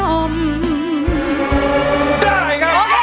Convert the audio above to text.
โอเค